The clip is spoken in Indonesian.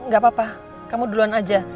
gak apa apa kamu duluan aja